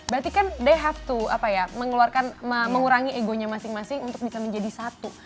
berarti kan mereka harus mengurangi egonya masing masing untuk bisa menjadi satu